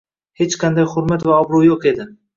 Hech qanday hurmat va obro 'yo'q edi